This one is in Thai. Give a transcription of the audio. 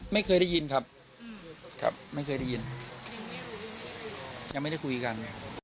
ไม่เคยได้ยินครับยังไม่ได้คุยกัน